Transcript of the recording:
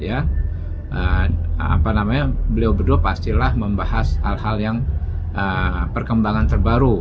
apa namanya beliau berdua pastilah membahas hal hal yang perkembangan terbaru